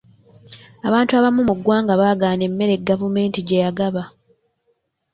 Abantu abamu mu ggwanga baagaana emmere gavumenti gye yagaba.